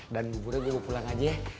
dan bubuknya gue pulang aja ya